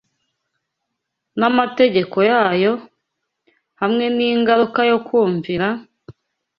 n’amategeko yayo, hamwe n’ingaruka yo kumvira,